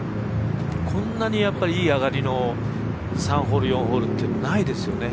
こんなにいい上がりの３ホール、４ホールってないですよね。